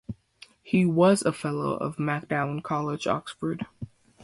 He was a Fellow of Magdalen College, Oxford.